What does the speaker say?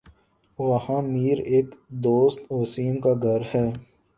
وہاں میر ایک دوست وسیم کا گھر ہے